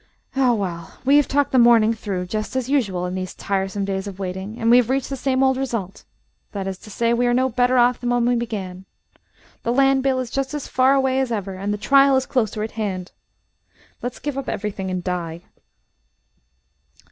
"Ah well, we have talked the morning through, just as usual in these tiresome days of waiting, and we have reached the same old result; that is to say, we are no better off than when we began. The land bill is just as far away as ever, and the trial is closer at hand. Let's give up everything and die."